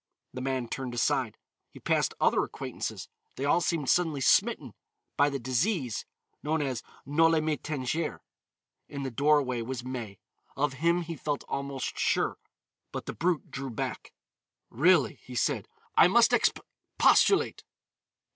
The man turned aside. He passed other acquaintances. They all seemed suddenly smitten by the disease known as Noli me tangere. In the doorway was May. Of him he felt almost sure, but the brute drew back. "Really," he said, "I must exp postulate."